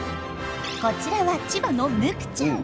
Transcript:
こちらは千葉のムクちゃん！